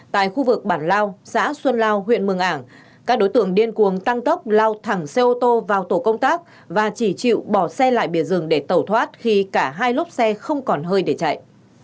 tại khu vực bản lao xã xuân lao huyện mường ảng các đối tượng điên cuồng tăng tốc lao thẳng xe ô tô vào tổ công tác và chỉ chịu bỏ xe lại bỉa rừng để tẩu thoát khi cả hai lốp xe không còn hơi để chạy